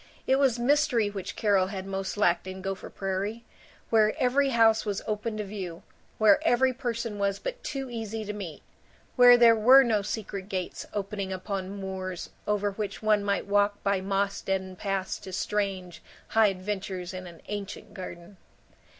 It was mystery which Carol had most lacked in Gopher Prairie, where every house was open to view, where every person was but too easy to meet, where there were no secret gates opening upon moors over which one might walk by moss deadened paths to strange high adventures in an ancient garden.